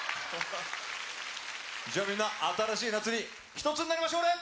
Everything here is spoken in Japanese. じゃあ、みんな新しい夏に一つになりましょうね。